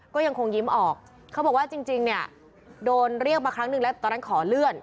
ก็ยังคงยิ้มออกเขาบอกว่าจริงเนี่ยโดนเรียกมาครั้งหนึ่งแล้วแต่ตอนนั้นขอเลื่อน